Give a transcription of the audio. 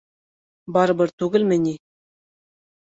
Барыбер түгел мени?